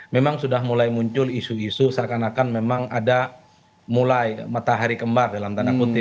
memang sudah mulai muncul isu isu seakan akan memang ada mulai matahari kembar dalam tanda kutip